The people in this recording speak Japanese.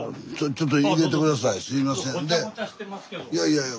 いやいやいや。